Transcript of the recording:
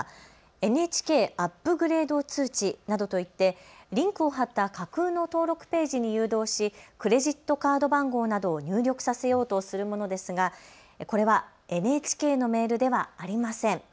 ＮＨＫアップグレード通知などといってリンクを貼った架空の登録ページに誘導しクレジットカード番号などを入力させようとするものですがこれはＮＨＫのメールではありません。